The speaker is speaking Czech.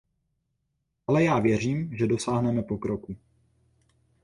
Ale já věřím, že dosáhneme pokroku.